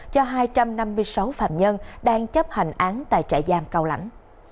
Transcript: cho hai trăm năm mươi sáu phạm nhân đang chấp hành án tại trại giam cao lãnh